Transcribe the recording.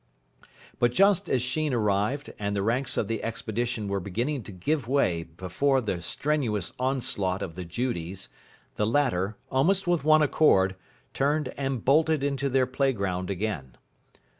But just as Sheen arrived and the ranks of the expedition were beginning to give way before the strenuous onslaught of the Judies, the latter, almost with one accord, turned and bolted into their playground again.